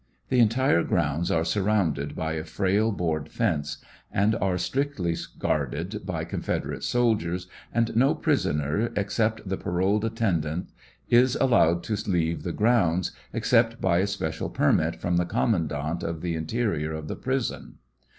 The entire grounds are surrounded by a frail board fence, and are strictly guarded by Confederate soldiers, and no prisoner except the paroled attendants is allowed to leave the grounds except by a special permit from the commandant of the interior of the prison.